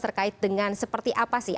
terkait dengan seperti apa sih